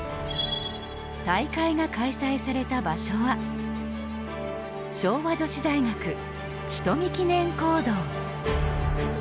大会が開催された場所は昭和女子大学人見記念講堂。